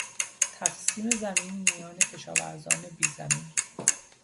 تقسیم زمین میان کشاورزان بیزمین